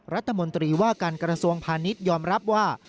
รัฐมนตรีว่าการกระทรวงพาณิชยอมรับว่า